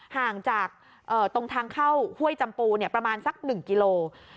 ห่างจากตรงทางเข้าห้วยจำปูประมาณสัก๑กิโล